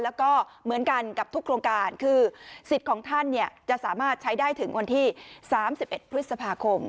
แล้วก็เหมือนกันกับทุกโครงการคือสิทธิ์ของท่านจะสามารถใช้ได้ถึงวันที่๓๑พฤษภาคม